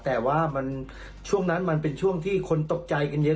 แต่ว่าช่วงนั้นมันเป็นช่วงที่คนตกใจกันเยอะ